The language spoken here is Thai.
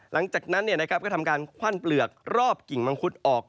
หลังจากนั้นก็ทำการควั่นเปลือกรอบกิ่งมังคุดออก